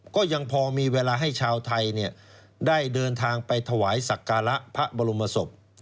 ก็ยังพอมีเวลาให้ชาวไทยได้เดินทางไปถวายสักการะพระบรมศพ